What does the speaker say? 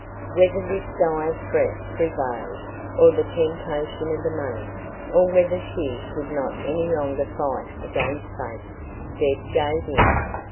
Whether this dire threat prevailed, or the temptation of the money, or whether she could not any longer fight against fate, Deb gave in.